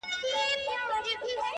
داسي دي سترگي زما غمونه د زړگي ورانوي،